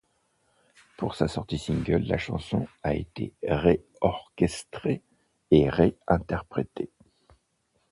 Pour sa sortie single, la chanson a été réorchestrée et réinterprétée.